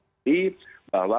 pada mas lutfi bahwa